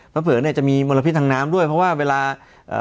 เพราะเผลอเนี้ยจะมีมลพิษทางน้ำด้วยเพราะว่าเวลาเอ่อ